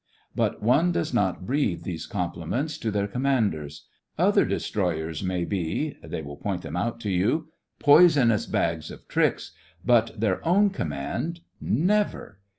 But one does not breathe these compliments to their commanders. Other destroyers may be — they will point them out to you — poisonous bags of tricks, but their own command — never!